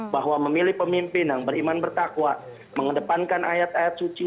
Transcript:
bahwa memilih pemimpin yang beriman bertakwa mengedepankan ayat ayat suci